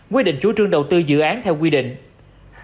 quy định chủ trương đầu tư dự án theo quy định